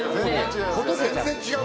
全然違う。